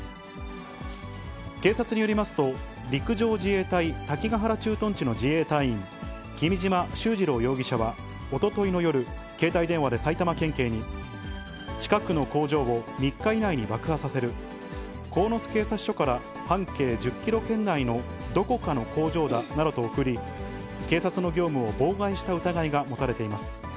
警察によりますと、陸上自衛隊滝ヶ原駐屯地の自衛隊員、君島秀治郎容疑者はおとといの夜、携帯電話で埼玉県警に、近くの工場を３日以内に爆破させる、鴻巣警察署から半径１０キロ圏内のどこかの工場だなどと送り、警察の業務を妨害した疑いが持たれています。